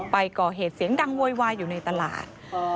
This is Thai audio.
ก่อเหตุเสียงดังโวยวายอยู่ในตลาด